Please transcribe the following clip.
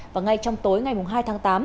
và ngay trong tối ngày hai tháng tám